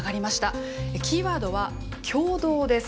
キーワードは「協働」です。